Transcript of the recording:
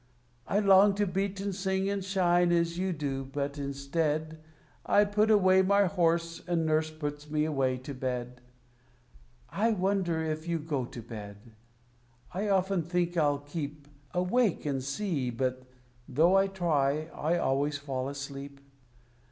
I long to beat and sing and shine, as you do, but instead I put away my horse, and Nurse puts me away to bed. I wonder if you go to bed; I often think I'll keep Awake and see, but, though I try, I always fall asleep.